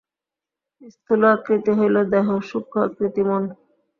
স্থূল আকৃতি হইল দেহ, সূক্ষ্ম আকৃতি মন।